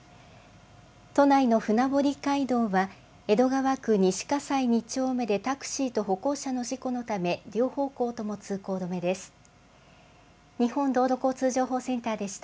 都内の船堀街道は、江戸川区西葛西２丁目でタクシーと歩行者の事故のため、両方向とも通行止めです。